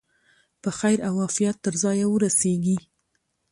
په خیر او عافیت تر ځایه ورسیږي.